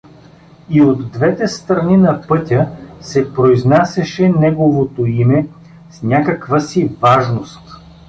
И от двете страни на пътя се произнасяше неговото име с някаква си важност.